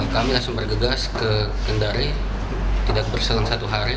kami langsung bergegas ke kendari tidak berselang satu hari